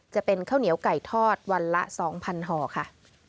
จะเป็นข้าวเหนียวไก่ทอดวันละ๒๐๐ห่อค่ะ